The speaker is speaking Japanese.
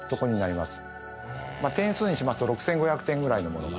点数にしますと６５００点ぐらいのものが。